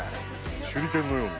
手裏剣のように。